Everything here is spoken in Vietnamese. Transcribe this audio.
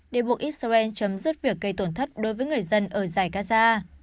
để buộc israel chấm dứt việc gây tổn thất đối với người dân ở giải gaza